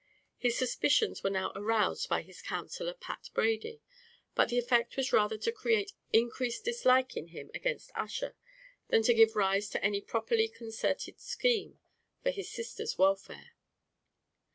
His suspicions were now aroused by his counsellor Pat Brady; but the effect was rather to create increased dislike in him against Ussher, than to give rise to any properly concerted scheme for his sister's welfare.